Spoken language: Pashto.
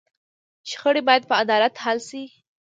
شخړې باید په عدالت حل شي.